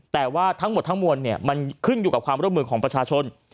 แต่ว่าทั้งหมดทั้งมวลมันขึ้นอยู่กับความร่วมมือของประชาชน